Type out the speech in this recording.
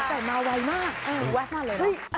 แต่มาไวมากแวะมาเลยนะ